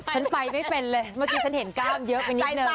ฉันไปไม่เป็นเลยเมื่อกี้ฉันเห็นกล้ามเยอะไปนิดนึง